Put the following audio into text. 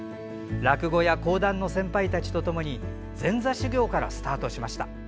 落語や講談の先輩たちとともに前座修業からスタートしました。